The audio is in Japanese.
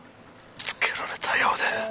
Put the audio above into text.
つけられたようで。